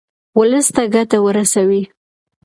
ولس ته ګټه ورسوئ.